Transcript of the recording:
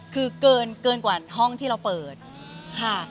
คือเกินกว่าห้องที่เราเปิดค่ะ